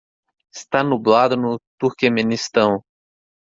está nublado no Turquemenistão